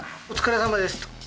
「お疲れさまです」と。